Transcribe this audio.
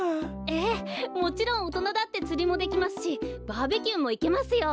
ええもちろんおとなだってつりもできますしバーベキューもいけますよ。